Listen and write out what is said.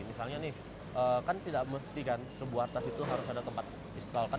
misalnya nih kan tidak mesti kan sebuah tas itu harus ada tempat untuk di luas lagi kan